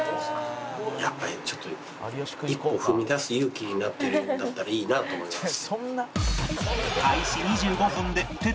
やっぱりちょっと一歩踏み出す勇気になってるんだったらいいなと思います。